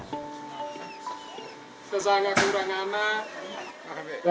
warga ngada menyebut ritual itu iso urangana